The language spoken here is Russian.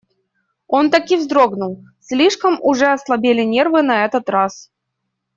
Он так и вздрогнул, слишком уже ослабели нервы на этот раз.